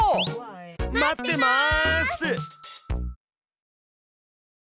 待ってます！